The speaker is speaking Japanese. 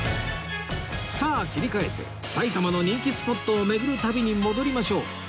さあ切り替えて埼玉の人気スポットを巡る旅に戻りましょう